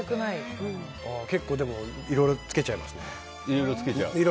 結構、でもいろいろつけちゃいますね。